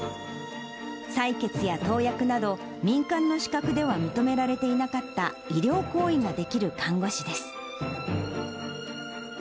採血や投薬など、民間の資格では認められていなかった医療行為ができる看護師です。